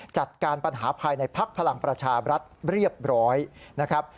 จัดการปัญหาภายในภักดิ์พลังประชาบรัฐเรียบร้อยนะครับ